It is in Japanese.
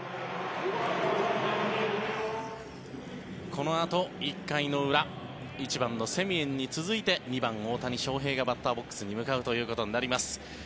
このあと、１回の裏１番のセミエンに続いて２番、大谷翔平がバッターボックスに向かうことになります。